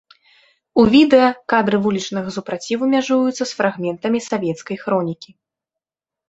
У відэа кадры вулічнага супраціву мяжуюцца з фрагментамі савецкай хронікі.